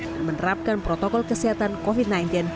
dan menerapkan protokol kesehatan covid sembilan belas